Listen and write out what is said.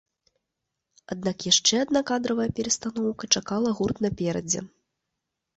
Аднак яшчэ адна кадравая перастаноўка чакала гурт наперадзе.